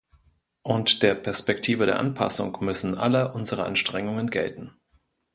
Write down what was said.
Und der Perspektive der Anpassung müssen alle unsere Anstrengungen gelten.